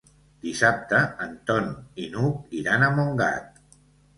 Dissabte en Ton i n'Hug iran a Montgat.